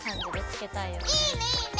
いいねいいね！